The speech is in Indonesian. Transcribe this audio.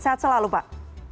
saat selalu pak